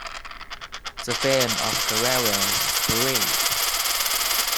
The fame of Karavis spread.